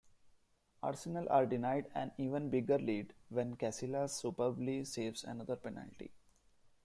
Arsenal are denied an even bigger lead when Casillas superbly saves another penalty.